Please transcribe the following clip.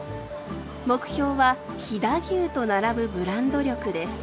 目標は飛騨牛と並ぶブランド力です。